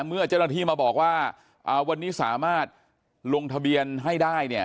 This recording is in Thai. เมื่อเจ้าหน้าที่มาบอกว่าวันนี้สามารถลงทะเบียนให้ได้เนี่ย